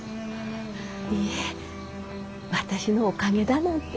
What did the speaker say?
いえ私のおかげだなんて。